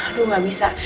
aduh gak bisa